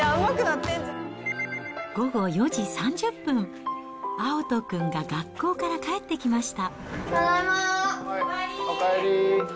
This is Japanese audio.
午後４時３０分、蒼都君が学校から帰ってきました。